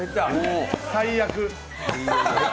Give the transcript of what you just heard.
最悪。